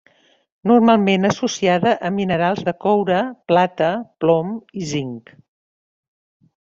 Normalment associada a minerals de coure, plata, plom i zinc.